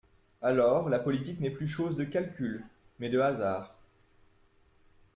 Alors la politique n’est plus chose de calcul, mais de ha sard.